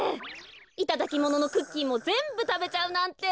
いただきもののクッキーもぜんぶたべちゃうなんて。